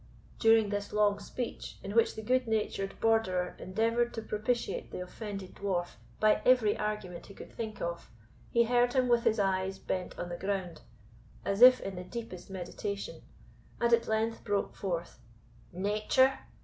During this long speech, in which the good natured Borderer endeavoured to propitiate the offended Dwarf by every argument he could think of, he heard him with his eyes bent on the ground, as if in the deepest meditation, and at length broke forth "Nature?